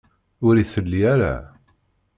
Ur itelli ara.